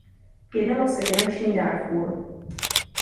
Jednalo se o finanční Dárfúr.